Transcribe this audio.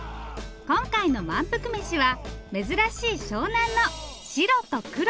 今回の「まんぷくメシ！」は珍しい湘南の白と黒。